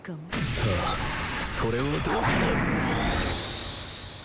さあそれはどうかな！